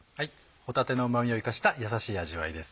帆立のうま味を生かした優しい味わいです。